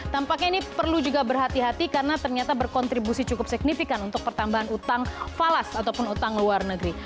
tampaknya ini perlu juga berhati hati karena ternyata berkontribusi cukup signifikan untuk pertambahan utang falas ataupun utang luar negeri